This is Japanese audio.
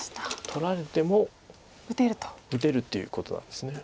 取られても打てるということなんですね。